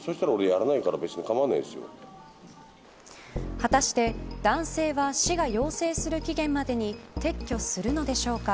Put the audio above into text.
果たして男性は市が要請する期限までに撤去するのでしょうか。